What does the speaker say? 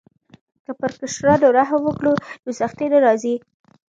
که پر کشرانو رحم وکړو نو سختي نه راځي.